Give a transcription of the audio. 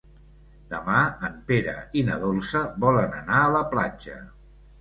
Demà en Pere i na Dolça volen anar a la platja.